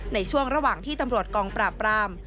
ในช่วงระหว่างที่ตำรวจกองปราบราม